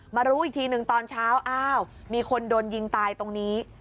รู้อีกทีหนึ่งตอนเช้าอ้าวมีคนโดนยิงตายตรงนี้